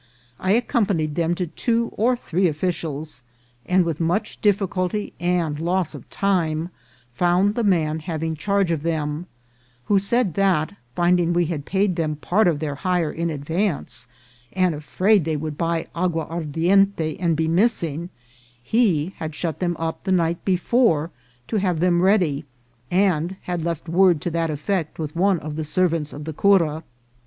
I accom panied them to two or three officials, and with much difficulty and loss of time found the man having charge of them, who said that, finding we had paid them part of their hire in advance, and afraid they would buy agua ardiente and be missing, he had shut them up the night before to have them ready, and had left word to that effect with one of the servants of the cura.